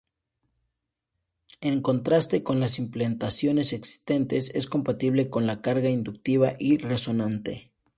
En contraste con las implementaciones existentes, es compatible con la carga inductiva y resonante.